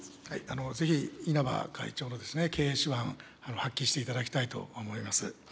ぜひ、稲葉会長の経営手腕、発揮していただきたいと思います。